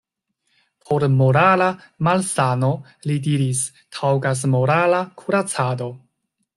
Por morala malsano, li diris, taŭgas morala kuracado.